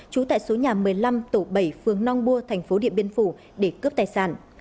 trú tại số nhà một mươi năm tổ bảy phường nong bua thành phố điện biên phủ để cướp tài sản